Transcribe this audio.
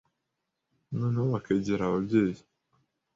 neho bakegera ababyeyi